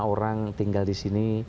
orang tinggal disini